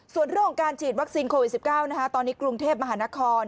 ส่วนเรื่องของการฉีดวัคซีนโควิด๑๙ตอนนี้กรุงเทพมหานคร